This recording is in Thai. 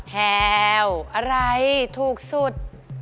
แหววอะไรถูกสุด